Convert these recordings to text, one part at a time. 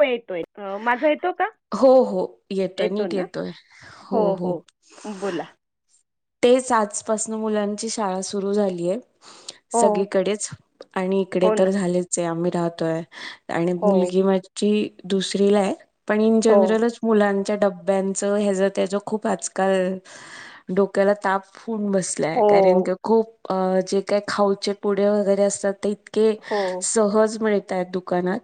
Weight wait अ माझा येतो का? हो, हो. येतोय, येतो नीट ना, येतोय. हो हो बोला तेच आजपासन मुलांची शाळा सुरू झालीय. हो, सगळीकडेच आणि इकडे हो ना. तर झालेच आहे आम्ही राहतोय आणि हो, मुलगी माझी झी दुसरीला आहे, पण इन हो, जनरलच मुलांच्या डब्यांचं ह्याच, त्याच खूप आजकाल ला ताप होऊन बसलाय हो, कारण क खूप अ जे काही खाऊचे पुडे वगैरे असतात ते की हो, सहज मिळतायत दुकानात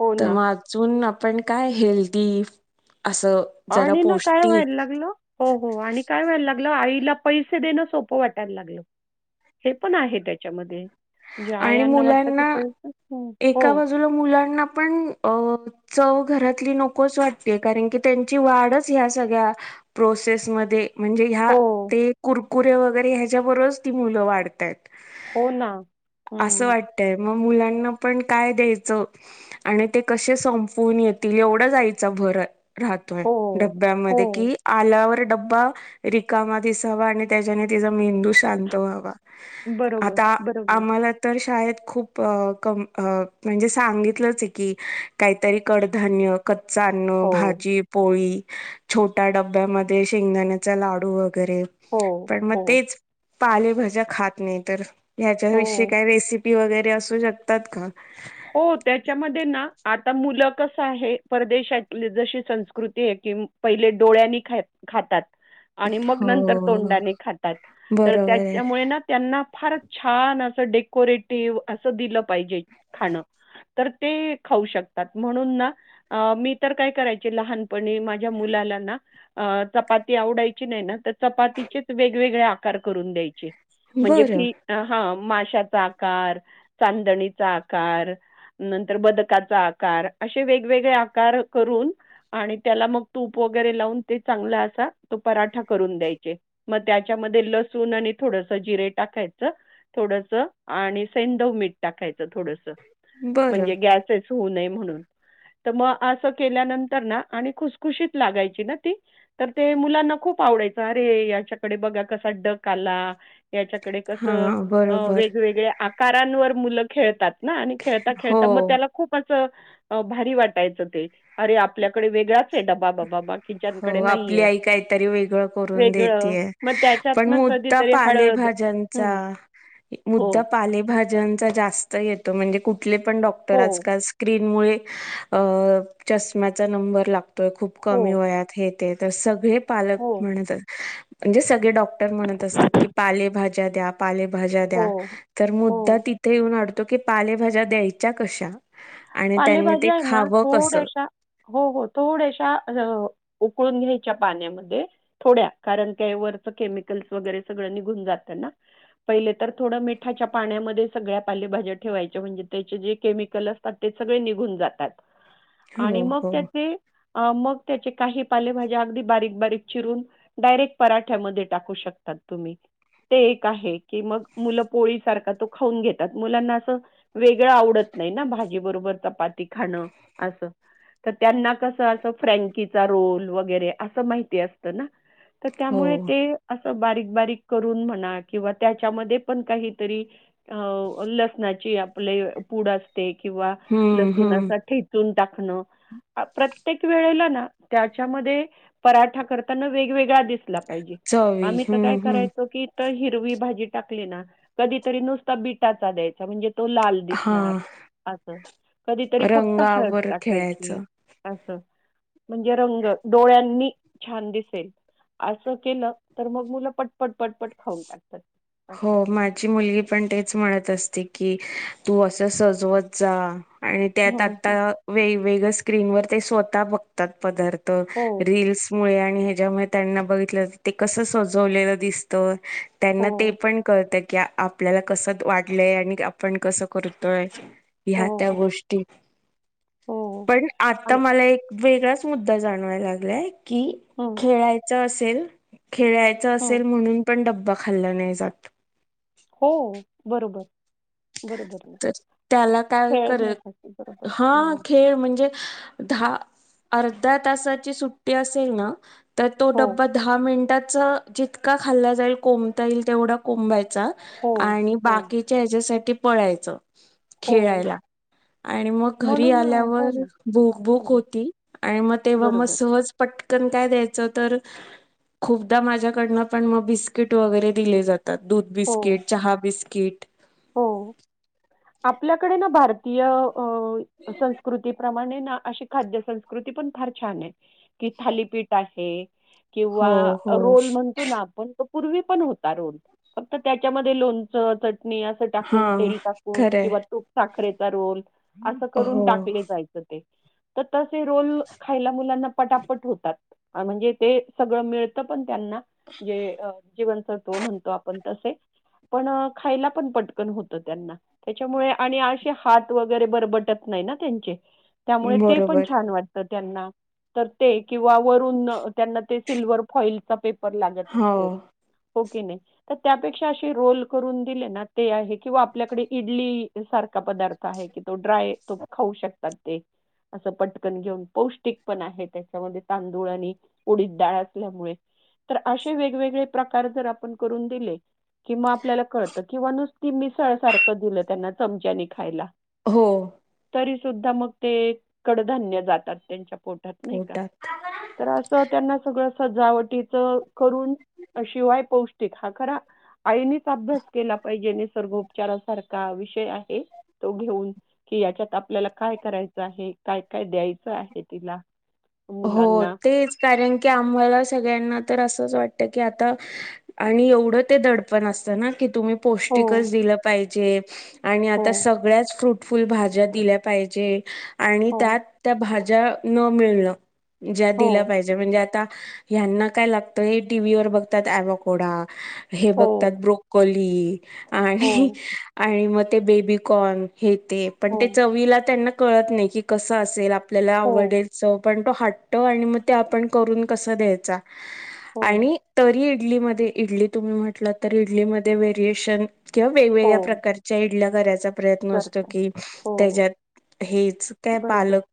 हो तर ना. मग अजून आपण काय हेल्दी असं जरा आणि ना काय पौष्टिक व्हायला लागलं हो हो आणि काय व्हायला लागलं आईला पैसे देणं सोपं वाटायला लागल. हे पण आहे त्याच्यामध्ये म्हणजे आणि आयांना वाटत की मुलांना पै हो एका बाजूला मुलांना पण अ चव घरातली नकोच वाटते. कारण की त्यांची वाढच ह्या सगळ्या प्रोसेसमध्ये म्हणजे ह्या हो, ते कुरकुरे वगैरे ह्याच्याबरोबरच ती मुलं वाढतायत. हो ना. असं हं, वाटतय. मग मुलांना पण काय द्यायचं. आणि ते कसे संपून येतील. एवढंच आईचा भर आहे. राहतोय हो, डब्यामध्ये हो. कि, आल्यावर डब्बा रिकामा दिसावा. आणि त्याच्याने तिचा मेंदू शांत व्हावा. बरोबर बरोबर. मला तर शाळेत खूप अ कमी म्हणजे सांगितलंच की, काहीतरी कडधान्य, कच्च अन्न, हो, भाजी पोळी, छोट्या डब्यामध्ये शेंगदाण्याचा लाडू वगैरे. हो, पण मग हो, तेच पालेभाज्या खात नाही तर, ह्याच्याविषयी हो. काय रेसिपी वगैरे असू शकतात का. हो. त्याच्यामध्ये ना आता मुलं कस आहे. परदेशातली जशी संस्कृती आहे की नाही. पहिले डोळ्यांनी ख खातात. आणि मग नंतर हो. तोंडाने खातात तर बरोबर आहे त्याच्यामुळे ना त्यांना फार छान असं डेकोरेटिव्ह असं दिलं पाहिजे. खाणं तर ते खाऊ शकतात म्हणून ना, अ मी तर काय करायचे लहानपणी माझ्या मुलाला ना. अ चपाती आवडायची नाही ना. तर चपातीचेच वेगवेगळे आकार करून द्यायचे. म्हणजे बरं फीश हा माशाचा आकार, चांदणीचा आकार, नंतर बदकाचा आकार असे वेगवेगळे आकार करून आणि त्याला मग तूप वगैरे लावून ते चांगला असा तो पराठा करून द्यायचे. मग त्याच्यामध्ये लसूण आणि थोडस जिरे टाकायचं. थोडस आणि सैदव मीठ टाकायचं थोडस बरं म्हणजे गॅस होऊ नये म्हणून तर मग असं केल्यानंतर ना आणि खुसखुशीत लागायची ना ती. तर ते मुलांना खूप आवडायचं. अरे याच्याकडे बघा कसा डक आला. याच्याकडे हा कसं बरोबर वेगवेगळ्या आकारांवर मुलं खेळतात. आणि खेळता हो. खेळता मग त्याला खूप असं भारी वाटायचं ते. अरे आपल्याकडे वेगळाच आहे डबा बाबा किचनकडे हो आपली नाहीये. आई काहीतरी वेगळं करून वेगळं. देतेय. मग पण त्याच्यातनं मुद्दा कधीतरी हळद पालेभाज्यांचा हं. हो, मुद्दा पालेभाज्यांचा जास्त येतो. म्हणजे, कुठले पण डॉक्टर हो, आजकाल स्क्रीन मुळे अ चष्म्याचा नंबर लागतोय खूप कमी हो, वयात हे सगळे पालक हो, म्हणतात म्हणजे सग डॉक्टर म्हणत असतात. की पालेभाज्या द्या पालेभा ज्या द्या. हो, तर हो. मुद्दा तिथे येऊन अडतो की पालेभाज्या द्यायच्या कशा. आणि त्यांनी ते पालेभाज्या आहे ना खावं कस? थोड्याशा हो हो थोड्याशा उकळून घ्यायच्या पाण्यामध्ये थोड्या कारण क वरच केमिकल्स वगैरे सगळं निघून जातं ना. पहिले तर थोडं मिठाच्या पाण्यामध्ये सगळ्या पालेभाज्या ठेवायच्या. म्हणजे त्याचे जे केमिकल असतात ते सगळे निघून जातात आणि हो मग हो त्याचे अ मग त्याचे काही पालेभाज्या अगदी बारीक बारीक चिरून. डायरेक्ट पराठ्यामध्ये टाकू शकतात तुम्ही. ते एक आहे की, मग मुलं पोळी सारखा तो खाऊन घेतात. मुलांना असं वेगळं आवडत नाही ना, भाजी बरोबर चपाती खाणं असं. तर त्यांना कसं असं फ्रँकीचा रोल वगैरे असं माहिती असतं ना? तर हो त्यामुळे ते असं बारीक बारीक करून म्हणा किंवा त्याच्यामध्ये पण काहीतरी अ लसणाची आपले पूड असते, किंवा हम्म लसूण हम्म असा ठे चून टाकणं प्रत्येक वेळेला ना, त्याच्यामध्ये पराठा करताना वेगवेगळा दिस ला पाहिजे, चवी आम्ही तर काय हम्म हम्म करायचो की तं हिरवी भाजी टाकली ना, कधीतरी नुसता बीटाचा द्यायचा म्हणजे तो लाल हां आसं कधीतरी फक्त हळद खेळायचं टाकायची आसं म्हणजे रंग डोळ्यांनी छान दिसेल. असं केलं तर मग मुलं पटपट पटपट खाऊन टाकतात. हो असं. माझी मुलगी पण तेच म्हणत असते की, तू असं सजवत जा आणि त्यात हं, हं. आता वेगववेगळं स्क्रीनवर ते स्वतः बघतात पदार्थ, हो, रिल्समुळे आणि ह्याच्यामुळे त्यांना बघितल्यावर ते कसं सजवलेलं दिसतं? त्यांना ते हो, पण कळतं की आपल्याला कसं वाटलंय आणि आपण कसं करतोय ह्या त्या हो, गोष्टी हो. पण आता आणि मला एक वेगळाच मुद्दा जाणवायला लागलाय की हुम खेळायचं असेल, खेळायचं हं. असेल म्हणून पण डब्बा खाल्ला नाही जात. हो बरोबर बरोबर ना. तर त्याला काय करेल, खेळण्यासाठी बरोबर. हा हां. खेळ म्हणजे दहा अर्ध्या तासाची सुट्टी असेल ना तर तो हो, डब्बा दहा मिनटाचा जितका खाल्ला जाईल, कोंबता येईल तेवढा कोंबायचा हो, आणि हो, बाकीच्या ह्याच्यासाठी पळायचं हो. खेळायला. आणि मग घरी म्हणून अ, हो आल्यावर ना, भूक हो भूक ना. होती, आणि मग तेव्हा मग बरोबर. सहज पटकन काय द्यायचं तर खूपदा माझ्याकडननं पण मग बिस्किट वगैरे दिले जातात. दूध हो, बिस्किट, चहा बिस्किट हो आपल्याकडे ना भारतीय अं संस कृतीप्रमाणे ना अशी खाद्य संस्कृती पण फार छान आहे. कि थालीपीठ आहे, किंवा हो हो रोल म्हण असतो ना आपण पूर्वी पण होता रोल फक्त त्याच्यामध्ये लोणचं, चटणी असं हा टाकून तेल टाकून, खरंय किंवा तूप साखरेचा रोल असं करून हो टाकले जायचं ते तं तसे रोल खायला मुलांना पटापट होतात आ म्हणजे ते सगळं मिळतं पण त्यांना, जे जीवनसत्व म्हणतो आपण तसे पण खायला पण पटकन होत त्यांना त्याच्यामुळे आणि असे हात वगैरे बरबटत नाही ना त्यांचे त्यामुळे ते पण बरोबर छान वाटतं त्यांना. तर ते किंवा वरून त्यांना ते सिल्वर फॉईलचा पेपर लागत हो असतो. हो की नाही? तर त्यापेक्षा असे रोल करून दिले ना ते आहे किंवा आपल्याकडे इडली सारखा पदार्थ आहे कि, तो ड्राय तो खाऊ शकतात ते असं पटकन घेऊन पौष्टिक पण आहे, त्याच्यामध्ये तांदूळ आणि उडीद डाळ असल्यामुळे, तर असे वेगवेगळे प्रकार जर आपण करून दिले किंवा आपल्याला कळत किंवा नुसती मिसळ सारखं दिलं त्यांना चमच्यानी खायला हो. तरी सुद्धा मग ते कडधान्य जातात त्यांच्या पोटात नाही का पोटात तर असं त्यांना सगळं सजावटीच करून शिवाय पौ ष्टिक हा खरा आईनेच अभ्यास केला पाहिजे निसर्गोपचारासारखा विषय आहे. तो घेऊन कि याच्यात आपल्याला काय करायचं आहे काय काय द्यायचं आहे तिला हो मुलांना तेच कारण की आम्हाला सगळ्यांना तर असंच वाटत की आता आणि एवढं ते दडपण असतं ना कि तुम्ही हो पौष्टिकच दिलं पाहिजे आणि हो आता सगळ्याच फ्रु फुल भाज्या दिल्या पाहिजे आणि हो त्यात त्या भाज्या न मिळणं ज्या हो दिल्या पाहिजे म्हणजे आता ह्याना काय लागतंय हे टीव्ही वर बघतात अवा कोडा हे बघतात हो ब्रोकोली हो आणि आणि मग ते बेबीकोर्न हे ते पण ते हो चवीला त्यांना कळत नाही कि कस असेल आप ल्याला हो आवडायचं पण तो हट्ट आणि मग ते आपण करून कसं द्यायचा हो आणि तरी इडलीमध्ये इडली तुम्ही म्हटल तर इडलीमध्ये व्हेरिएशन किंवा वेगवेगळ्या हो प्रकारच्या इडल्या करायचा प्रयत्न असतो करताय की हो त्याच्यात हेच काय बरोबर पालक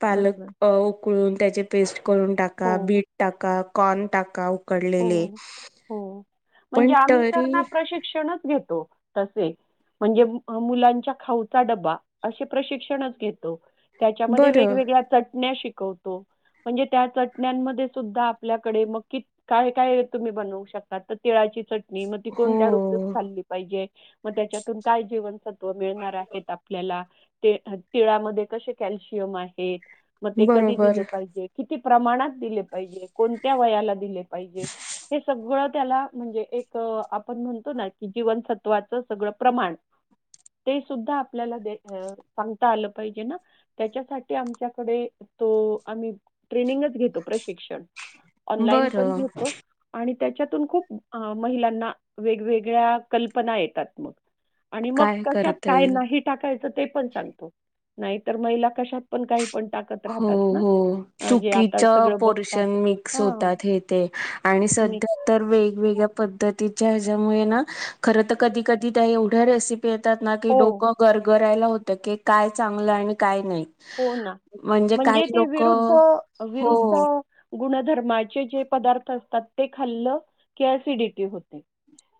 पालक बरोबर अह उकळून त्याचे पेस्ट करून टाका. हो बीट टाका. कॉर्न टाका उकडलेले हो हो पण म्हणजे आम्ही तर तरी ना प्रशिक्षणच घेतो. तसे, म्हणजे मु मुलांच्या खाऊचा डबा असे प्रशिक्षणच घेतो. त्याच्यामध्ये बरं वेगवेगळ्या चटण्या शिकव- तो. म्हणजे त्या चटण्यामध्ये सुद्धा आपल्याकडे मग की काय काय तुम्ही बनवू शकता. तर तिळाची चटणी मग ती हो कोणत्या ऋतूत खाल्ली पाहिजे. मग त्याच्यातून काय जीवनसत्व मिळणार आहेत आपल्याला ते तिळामध्ये कसे कॅल्शियम आहेत. मग ते कधी बरोबर दिल पाहिजे, किती प्रमाणात दिले पाहिजे, कोणत्या वयाला दिले पाहीजे हे सगळं त्याला म्हणजे एक तर आपण म्हणतो ना की जीवनसत्वाचं सगळं प्रमाण ते सुद्धा आपल्याला सांगता आलं पाहिजे ना. त्याच्यासाठी आमच्याकडे तो आम्ही ट्रेनिंगच घेतो प्रशिक्षण ऑनलाइन पण बरं घेतो. आणि त्याच्यातून खूप महिलांना वेगवेगळ्या कल्पना येतात मग आणि मग काय कशात करता काय येईल नाही टाकायचं ते पण सांगतो नाहीतर महिला कशात पण काही पण टाकत हो राहतात ना हो अं, जे चुकीच आता सगळं पोर्शन बघतात मिक्स हा होतात हे ते आणि मी सध्या तर वेगवेगळ्या पद्धतीच्या ह्याच्यामुळे ना खरं तर कधी कधी त्या एवढ्या रेसिपी पी येतात ना की हो डोकं गरगरायला होत की काय चांगलं आणि काय नाही. हो ना म्हणजे काही ते लोक विरुद्ध विरुद्ध हो गुणधर्माचे जे पदार्थ असतात ते खाल्लं की एसिडिटी होते.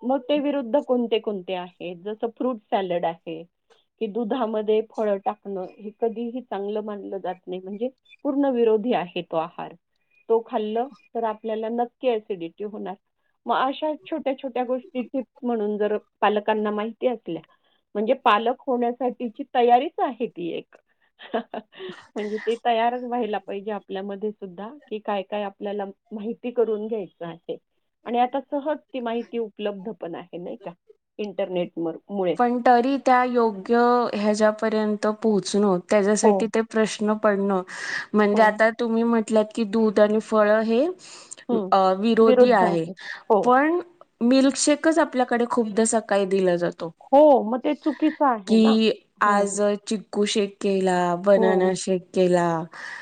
मग ते विरुद्ध कोणते कोणते आहे जस फ्रूट सॅलड आहे कि दुधामध्ये फळ टाकणं हे कधीही चांगलं मानलं जात नाही, म्हणजे पूर्ण विरोधी आहे तो आहार. तो खाल्लं तर आपल्याला नक्की एसिडिटी होणार. म अशा छोट्या-छोट्या गोष्टी टिप्स म्हणून जर पालकांना माहिती असल्या म्हणजे पालक होण्यासाठीची तयारीच आहे ती एक. हं, हं, अं म्हणजे ते तयारच व्हायला पाहिजे, आपल्यामध्ये सुद्धा. कि काय-काय आपल्याला माहिती करून घ्यायचं आहे, आणि आता सहज ती माहिती उपलब्ध पण आहे नाही का इंटरनेटमूळे पण तरी त्या योग्य ह्याच्यापर्यंत पोहोचुन हो, त्याच्यासाठी ते प्रश्न पडणं म्हणजे हो. आता तुम्ही म्हटलंत की दूध आणि फळं हे हं. अ विरोधी विरुद्ध आहे, हो. पण मिल्कशेकच आपल्याकडे खूपदा सकाळी दिला जातो. हो, मग ते चुकी की आज चि -क्कू शेक केला, बनना हो, शेक केला,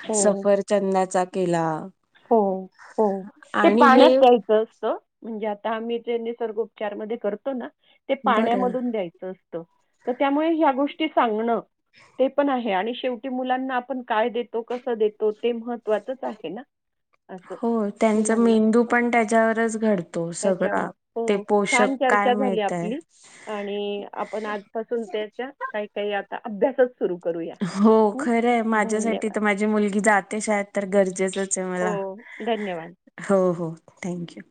हो. सफरचंदाचा केला. हो, हो ते आणि हे पाण्यात प्यायचं असतं. म्हणजे आता आम्ही जे निसर्गोपचार मधे करतो ना ते बरं पाण्यामधून द्यायचं असत. त, तर त्यामुळे ह्या गोष्टी सांगणं ते पण आहे आणि शेवटी मुलांना आपण काय देतो कसं देतो ते महत्त्वाचच आहे ना. असं हो त्यांचा मुलांना मेंदू हं, पण त्याच्यावरच घडतो त्याच्यावर. सगळां. ते हो, छान पोषक काय चर्चा झाली मिळतय आपली आणि आपण आजपासून त्याच्या काही -काही आता अभ्यासच सुरू करूया. हो हं. खरंय, माझ्यासाठी धन्यवाद. त माझी मुलगी जाते शाळेत तर गरजेचंच जेच मला हो, धन्यवाद. हो- हो थँक यू.